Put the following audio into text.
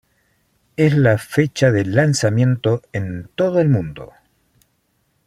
Es la fecha de lanzamiento en todo el mundo".